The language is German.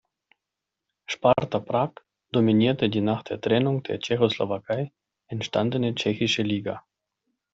Sparta Prag dominierte die nach der Trennung der Tschechoslowakei entstandene tschechische Liga.